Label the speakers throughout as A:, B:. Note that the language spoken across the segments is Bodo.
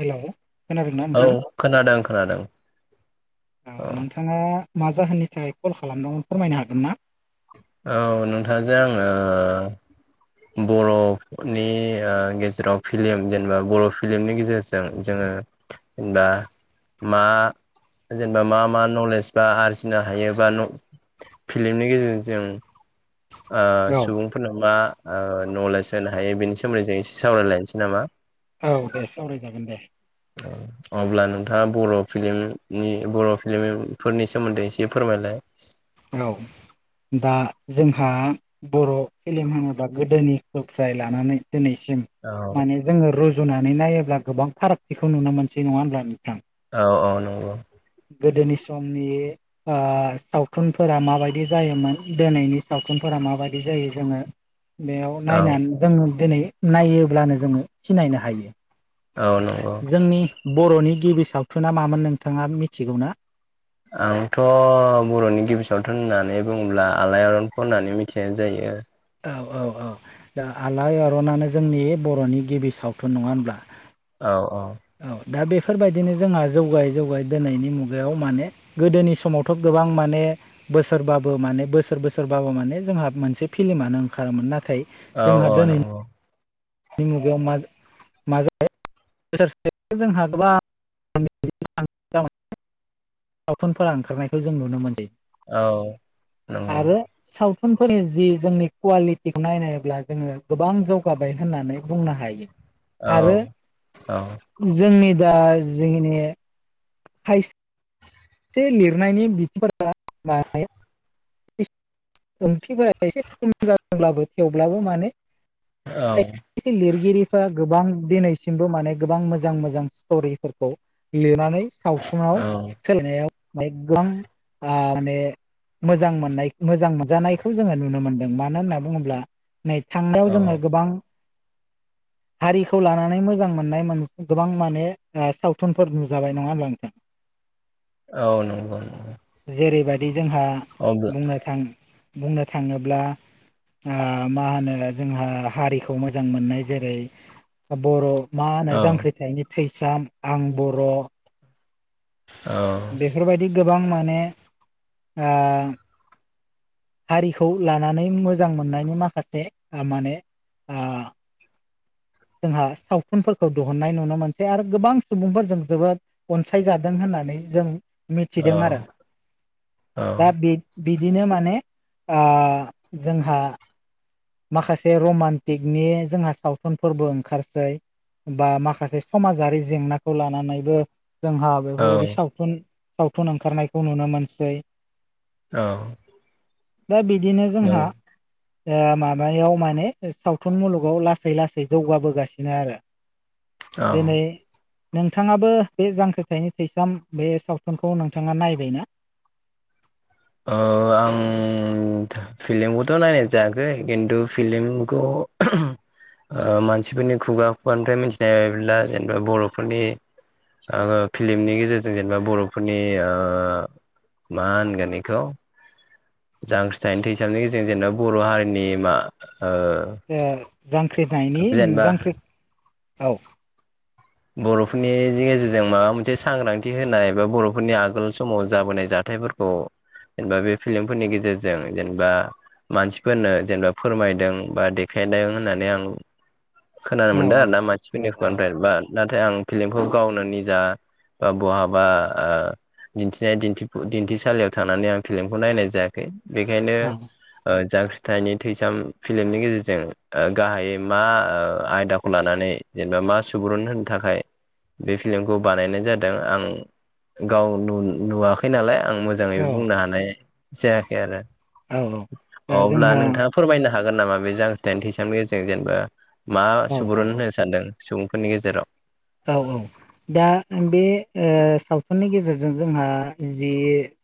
A: हेलौ खोनादोंना
B: औ
A: नोंथां
B: खोनादों खोनादों
A: औ नों नोंथाङा मा जाहोननि थाखाय कल खालामदोंमोन फोरमायनो हागोन ना?
B: औ नोंथांजों आङो बर' फोरनि ओ गेजेराव फिलिम जेनेबा बर' फिलमनि गेजेरजों जोङो जेनेबा मा जेनेबा मा मा नलेज बा आरजिनो हायोबा न' फिल्मनि गेजेरजों जों ओ सुबुं फोरनाव मा ओ नलेज होनो हायो बेनि सोमोन्दै जों एसे सावरायलायनोसै नामा?
A: औ दे सावरायजागोन दे।
B: औ। अब्ला नोंथाङा बर' फिलिमनि बर' फिलमफोरनि सोमोन्दै एसे फोरमायलाय
A: औ दा जोंहा बर' फिल्म होनोबा गोदोनिखौफ्राय लानानै दिनैसिम
B: औ
A: माने जोङो रुजुनानै नायोब्ला गोबां फारागथिखौ नुनो मोनसै नङा होनब्ला नोंथां?
B: औ औ नंगौ।
A: गोदोनि समनि ओ सावथुनफोरा माबायदि जायोमोन दोनैनि सावथुनफोरा माबायदि जायो जोङो
B: [inaudible]
A: बेयाव
B: औ
A: नायनानै जोङो दिनै नायोब्लानो जोङो सिनायनो हायो।
B: औ नंगौ।
A: जोंनि बर'नि गिबि सावथुना मामोन नोंथाङा मिथिगौना?
B: आंथ' बर'नि गिबि सावथुन होननानै बुङोब्ला आलायारनखौ होननानै मिथिनाय जायो।
A: औ औ औ दा आलायारनानो जोंनि बर'नि गिबि सावथुन नङा होनब्ला।
B: औ - औ।
A: औ दा बेफोरबायदिनो जोंहा जौगायै जौगायै दोनैनि मुगायाव माने गोदोनि समावथ' गोबां माने बोसोरबाबो माने बोसोर बोसोरबाबो माने जोंहा मोनसे फिलिमानो ओंखारोमोन नाथाय
B: औ - औ नंगौ।
A: नि मुगायाव मा जायो [inaudible] जोंहा गोबां सावथुनफोरा ओंखारनायखौ जों नुनो मोनसै
B: औ। नंगौ
A: आरो सावथुनफोरनि जि जोंनि कुवालिटिखौ नायनायब्ला जोङो गोबां जौगाबाय होननानै बुंनो हायो। [inaudible]
B: औ - औ।
A: जोंनि दा जिंनि [unintelligible] एसे लिरनायनि [unintelligible] [unintelligible]
B: औ।
A: इसे लिरगिरिफ्रा गोबां दिनैसिमबो माने गोबां मोजां मोजां स्ट'रिफोरखौ लिरनानै सावथुनाव
B: औ
A: सोलायनायाव एखदम आ माने मोजां मोननाय मोजां मोनजानायखौ जोङो नुनो मोनदों मानो होनना बुङोब्ला थांनायाव
B: औ
A: जोङो गोबां हारिखौ लानानै मोजां मोननाय मोन गोबां माने ओ सावथुनफोर नुजाबाय नङा होमब्ला नोंथां।
B: औ नंगौं नं
A: जेरैबायदि जोंहा बुंनो थां बुंनो थाङोब्ला आ मा होनो जोंहा हारिखौ मोजां मोननाय जेरै बर' मा होनो
B: औ
A: जांख्रिथायनि थैसाम, आं बर'
B: औ।
A: बेफोरबायदि गोबां माने आ हारिखौ लानानै मोजां मोननायनि माखासे ओ माने आ जोंहा सावथुनफोरखौ दुहुननाय नुनो मोनसै आरो गोबां सुबुंफोरजों जोबोद अनसायजादों होननानै जों
B: औ
A: मिथिदों आरो
B: औ
A: दा बे बिदिनो माने आ जोंहा माखासे रमान्टिकनि जोंहा सावथुनफोरबो ओंखारसै। बा माखासे समाजारि जेंनाखौ लानानैबो जोंहा
B: औ
A: बेफोरबायदि सावथुन सावथुन ओंखारनायखौ नुनो मोनसै।
B: औ
A: दा बिदिनो
B: नों
A: जोंहा ओ माब बायाव माने सावथुन मुलुगाव लासै लासै जौगाबोगासिनो आरो।
B: औ
A: दोनै नोंथाङाबो बे जांख्रिथायनि थैसाम बे सावथुनखौ नोंथाङा नायबायना?
B: ओ आं फिल्मखौथ' नायनाय जायाखै खिन्थु फिलिमखौ ओ मानसिफोरनि खुगा खुगानिफ्राय मिथिनाय बायदिब्ला जेनेबा बर'फोरनि आङो फिल्मनि गेजेरजों जेनेबा बर'फोरनि ओ मा होनगोन खौ जांख्रिथायनो थैसामनि गेजेरजों जेनेबा बर' हारिनि मा ओ
A: ओ जांख्रिथायनि उम
B: जेनेबा
A: जांख्रि औ
B: बर'फोरनि गेजेरजों माबा मोनसे सांग्रांथि होनाय एबा बर'फोरनि आगोल समाव जाबोनाय जाथायफोर खौ जेनेबा बे फिल्मफोरनि गेजेरजों जेनेबा मानसिफोरनो जेनेबा फोरमायदों बा देखायदों होननानै आं खोनानो
A: औ
B: मोनदों
A: औ
B: आरोना मानसिफोरनि
A: औ
B: खुगानिफ्राय बा नाथाय आं फिल्मखौ गावनो निजा बहाबा ओ दिन्थिनाय दिथिफु दिन्थिसालियाव थांनानै आं फिल्मखौ नायनाय जाया खै बेखायनो
A: औ
B: ओ जांख्रिथायनि थैसाम फिल्मनि गेजेरजों ओ गाहायै मा ओ आयदाखौ लानानै जेनेबा मा सुबुरुन होनो थाखाय बे फिल्मखौ बानायनाय जादों आं गाव नु-नुवाखै नालाय आं मो जाङै
A: औ
B: बुंनो हानाय जायाखै आरो
A: औ दा
B: अब्ला
A: जोंहा
B: नोंथाङा फोरमायनो हागोन नामा बे जांख्रिथायनि थैसामनि गेजेरजों जेनेबा मा
A: औ औ
B: सुबुरुन होनो सानदों? सुबुंफोरनि गेजेराव
A: औ औ दा बे ओ सावथुननि गेजेरजों जोंहा जि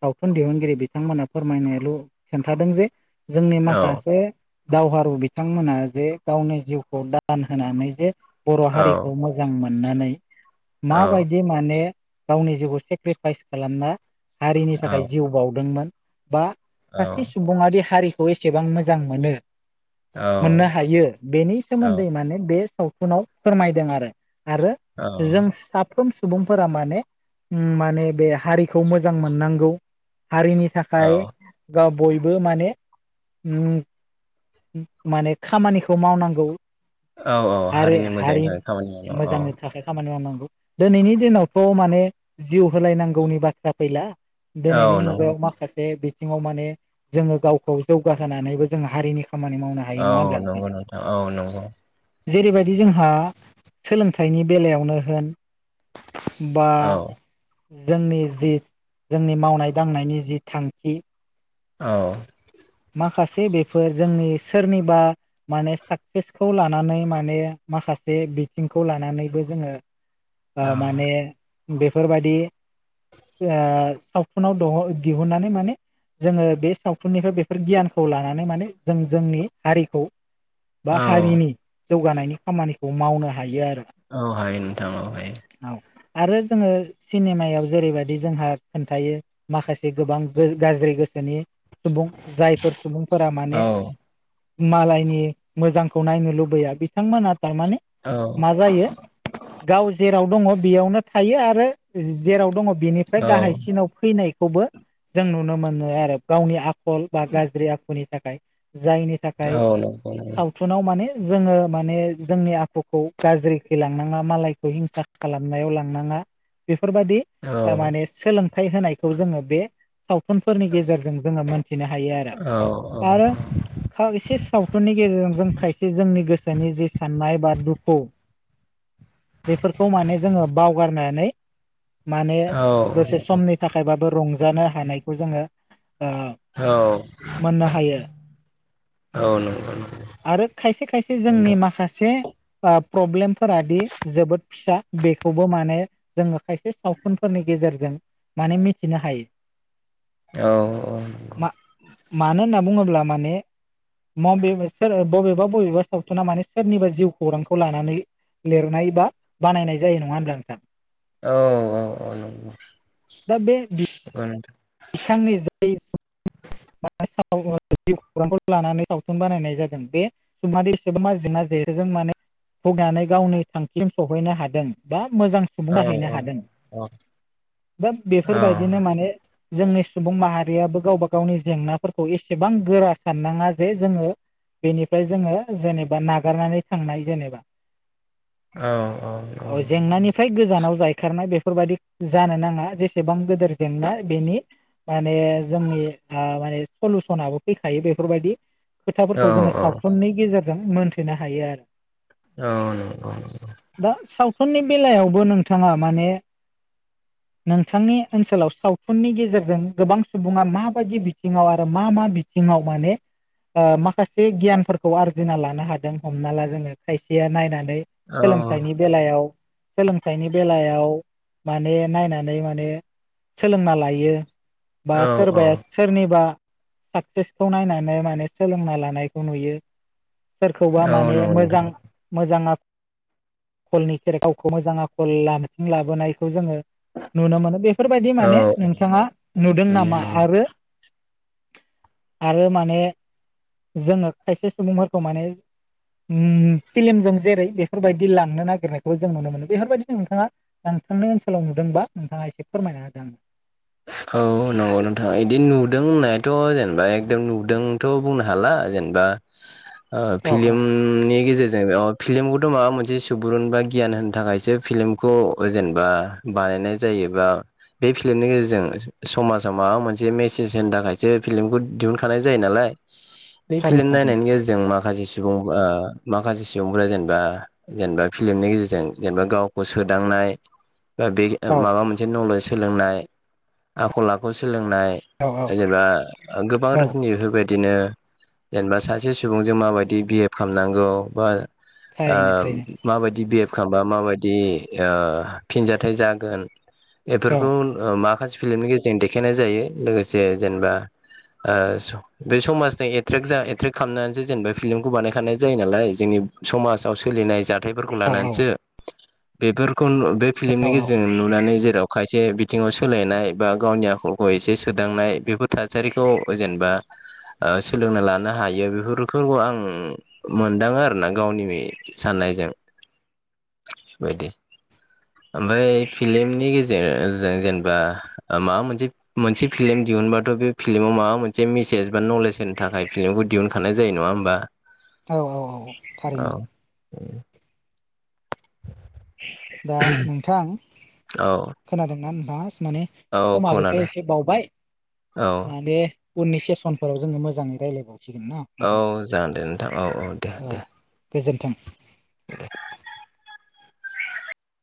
A: सावथुन दिहुनगिरि बिथांमोना फोरमायनायल' खिन्थादों जे जोंनि
B: औ
A: माखासे दावहारु बिथांमोना जे गावनि जिउखौ दान होनानै जे बर'
B: औ
A: हारिखौ मो जां मोननानै
B: औ
A: माबायदि माने गावनि जिउखौ सेक्रिफाइस खालामना हारिनि
B: औ
A: थाखाय जिउ बावदोंमोन बा सासे सुबुङादि हारि खौ एसेबां मोजां मोनो
B: ओ
A: मोननो हायो बेनि सोमोन्दै माने बे सावथुनाव फोरमायदों आरो। आरो जों साफ फ्रोम सुबुंफोरा माने उम माने बे हारिखौ मोजां मोननांगौ हारिनि
B: औ
A: थाखाय गाव बयबो माने ओम ओम माने खामानिखौ मावनांगौ
B: औ औ
A: आरो
B: हारिनि मोजांनि
A: हारि
B: थाखाय खामानि मावनो औ।
A: मोजांनि थाखाय खामानि मावनांगौ दोनैनि दिनावथ' माने जिउ होलायनांगौनि बाथ्रा फैला।
B: औ
A: दोनैनि
B: नंगौ
A: मुगायाव माखासे बिथ थिङाव माने जोङो गावखौ जौगाहोनानैबो जोंङो हारिनि खामानि मावनो हायो
B: औ
A: नङा होनब्ला
B: नंगौ नोंथां औ नंगौ।
A: जेरैबायदि जोंहा सोलोंथाइनि बेलायावनो होन बा
B: औ
A: जोंनि जि जोंनि मावनाय दांनायनि जि थांखि
B: औ।
A: माखासे बेफोर जोंनि सोरनिबा माने साक्सेसखौ लानानै माने माखासे बिथिंखौ लानानैबो जोङो
B: [inaudible]
A: ओ माने बेफोरबायदि ओ सावथुनाव दह दिहुननानै माने जोङो बे सावथुननिफ्राय बे फोर गियानखौ लानानै माने जों जोंनि हारिखौ बा
B: औ
A: हारिनि जौगानायनि खामानिखौ मावनो हायो आरो।
B: औ हायो नोंथां औ हायो।
A: औ आरो जोङो सिनेमायाव जेरैबायदि जोंहा खोन्थायो माखासे गोबां गो-गाज्रि गोसोनि सुबुं जायफोर सुबुंफोरा माने
B: औ
A: मालायनि मोजांखौ नायनो लुबैया बिथांमोना थारमाने
B: औ
A: मा जायो गाव जेराव दङ बेयावनो थायो आरो जेराव दङ बिनिफ्राय
B: औ
A: गाहायसिनाव फैनायखौबो जों नुनो मोनो आरो। गावनि आखल बा गाज्रि आखुनि थाखाय जायनि थाखाय
B: औ नंगौ नंगौ
A: सावथुनाव माने जोङो माने जोंनि आखुखौ गाज्रिखैलांनाङा मालाय हिंसा खालामनायाव लांनाङा बेफोरबायदि
B: औ
A: माने सोलोंथाइ होनायखौ जोङो बे सावथुनफोरनि गेजेरजों जोङो मोनथिनो हायो आरो।
B: औ
A: आरो फाव एसे सावथुननि गेजेरजों जों खायसे जोंनि गोसोनि जि साननाय बा दुखु बेफोरखौ माने जोङो बावगारनानै माने दसे
B: नंगौ
A: समनि थाखायबाबो रंजानो हानायखौ जोङो ओ मोननो हायो।
B: औ नंगौ
A: आरो खायसे खायसे जोंनि
B: नोंथां
A: माखासे ओ प्रब्लेमफोरादि जोबोद फिसा बेखौबो माने जोङो खायसे सावथुनफोरनि गेजेरजों माने मिथिनो हायो।
B: औ औ।
A: मा मानो होनना बुङोब्ला माने माबेबा सोर बबेबा बबेबा सावथुना माने सोरनिबा जिउ खौरांखौ लानानै लिरनाय बा बानायनाय जायो नङा होनब्ला नोंथां?
B: औ औ औ नंगौ
A: दा बे
B: नोंथां।
A: बिथांनि जाय [unintelligible] जिउ खौरांखौ लानानै सावथुन बानायनाय जादों बे सुबुङादे एसेबां जेंना जेथोजों माने गावनि थांखिसिम सहैनो हादों बा मोजां सुबुंङा हैैनो
B: औ औ
A: हादों दा
B: औ
A: बेफोरबायदिनो माने जोंनि सुबुं माहारियाबो गावबा गाव गावनि जेंनाफोरखौ एसेबां गोरा साननाङा जे जोङो बेनिफ्राय जोङो जेनेबा नागारनानै थांनाय जेनेबा।
B: औ नंगौ
A: औ जेंनानि फ्राय गोजानाव जायखारनाय बेफोरबायदि जानो नाङा जेसेबां गोदोर जेंना बेनि माने जोंनि ओ माने सलुसनाबो फैखायो बेफोरबायदि
B: औ
A: खोथाफोरखौ जोङो सावथुननि गेजेर जों मोनथिनो हायो आरो
B: औ नंगौं नंगौ
A: दा सावथुननि बेलायावबो नोंथाङा माने नोंथांनि ओनसोलाव सावथुननि गेजेरजों गोबां सुबुङा मा [unintelligible] बादि बिथिङाव आरो मा मा बिथिङाव माने ओ माखासे गियानफोरखौ आरजिना लानो हादों हमना ला जोङो खायसेया नायनानै
B: औ
A: सोलोंथाइनि बेलायाव सोलोंथाइनि बेलायाव माने नायनानै माने सोलोंना लायो बा सोरबाया सोरनिबा साक्सेसखौ नायनानै माने सोलोंना लानायखौ नुयो। सोरखौबा
B: औ
A: माने
B: नंगौ नोंथां
A: मोजां मोजां आख खलनि गावखौ मोजां आखल [unintelligible] लाबोनायखौ जोङो नुनो मोनो बेफोरबायदि
B: औ
A: माने नोंथाङा नुदों
B: नुयो
A: नामा
B: नुयो
A: आरो आरो माने जोङो खायसे सुबुंफोरखौ माने उम फिलमजों जेरै बेफोरबायदि लांनो नागिरनायखौ जों नुनो मोनो बेफोरबायदि जों नोंथाङा लांखानाय ओनसोलाव नुदोंबा नोंथाङा एसे फोरमायना होदो आंनो
B: औ नंगौ नोंथाङा इदि नुदों होननायाथ' जेनेबा एखदम नुदोंथ' बुंनो हाला जेनेबा ओ
A: औ औ
B: फिलिमनि गेजेरजों अ फिल्म खौथ' माबा मोनसे सुबुरुन बा गियान होनो थाखायसो फिल्मखौ जेनबा बानायनाय जायोबा बे फिल्मनि गेजेरजों जों समाजाव माबा मोनसे मेसेज होनो थाखायसो फिल्मखौ दिहुनखानाय जायो नालाय बै
A: थारैनो
B: फिल्म
A: थारैनो
B: नायनायनि गेजेरजों माखासे सुबुं ओ माखासे सुबुंफोरा जेनबा जेनबा फिल्मनि गेजेरजों जेनेबा गावखौ सोदांनाय बा बे
A: औ
B: माबा मोनसे नलेज सोलोंनाय आखल आखु सोलोंनाय
A: औ
B: जेनेबा गोबां
A: औ
B: रोखोमनि बेफोरबायद बिदिनो जेनेबा सासे सुबुंजों माबायदि बिहेभ खालामनांगौ बा ओ
A: थारैनो थारैनो
B: माबायदि बिहेभ खामबा माबायदि ओ फिनजाथाइ जागोन
A: औ
B: बेफोरखौ ओ माखासे फिल्मनि गेजेरजों देखायनाय जायो लोगोसे जेनेबा ओ स बे समाजनि एट्रेक जा एट्रेक्ट खालामनानैसो जेनेबा फिल्मखौ बानायखानाय जायो नालाय जोंनि समाजाव सोलिनाय जाद थायफोरखौ
A: औ औ औ
B: लानानैसो बेफोरखौ बे
A: औ
B: फिलमनि
A: औ
B: गेजेरजों नुनानै जेराव खायसे बिथिङाव सोलायनाय बा गावनि आखलखौ एसे सोदांनाय बेफोर थासारिखौ जेनेबा ओ सोलोंना लानो हायो बेफोर [unintelligible] खौ आं मोनदाङो आरो ना गावनि साननायजों बायदि ओमफाय फिलिमनि गेजेरजों जेनेबा माबा मोनसे मोनसे फिल्म दिहुनबाथ' बे फिल्माव माबा मोनसे मेसेज बा नलेज होनो थाखाय फिल्मखौ दिहुनखानाय जायो नङा होमबा
A: औ औ औ थारैनो
B: [unintelligible]
A: दा नोंथां
B: औ
A: खोनादोंना नोंथाङा माने
B: औ
A: समाबोथ'
B: खोनादों
A: एसे बावबाय
B: औ
A: माने उननि सेसनफोराव जोङो मोजाङै रायलायबावसिगोन ना?
B: औ
A: नोंथां
B: जागोन दे नोंथां औ औ दे दे
A: गोजोन्थों